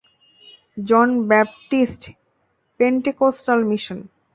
John Baptist Pentecostal mission.